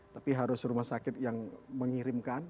tapi harus rumah sakit yang mengirimkan